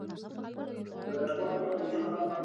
لمر ځلېږي.